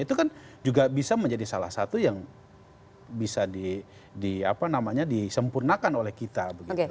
itu kan juga bisa menjadi salah satu yang bisa disempurnakan oleh kita